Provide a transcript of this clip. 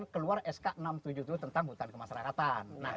keluar sk enam ratus tujuh puluh tujuh tentang hutan kemasyarakatan